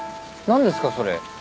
何ですかそれ。